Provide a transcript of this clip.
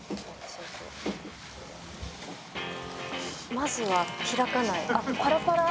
「まずは開かない」